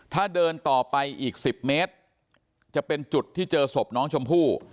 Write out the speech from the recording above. ถ้าเดินต่อไปอีก๑๐เมตรจะเป็นจุดที่เจอศพน้องชมพู่